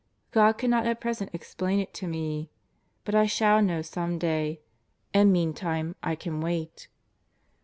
God cannot at present explain it to me. But I shall know some day, and meantime I can wait."